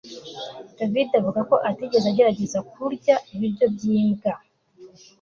David avuga ko atigeze agerageza kurya ibiryo byimbwa